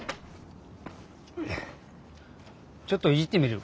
ちょっといじってみる。